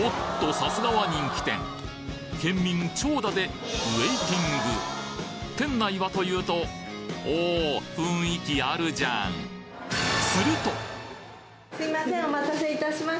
さすがは人気店県民長蛇でウェイティング店内はというとおお雰囲気あるじゃんすいません。